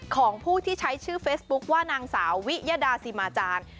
ของผู้ที่ใช้ชื่อเฟซบุ๊คว่านางสาววิยดาซิมาจารย์